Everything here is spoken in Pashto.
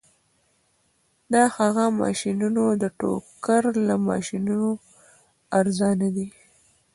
د هغه ماشینونه د ټوکر له ماشینونو ارزانه دي